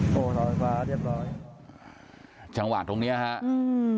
ลอยมาเรียบร้อยจังหวะตรงเนี้ยฮะอืม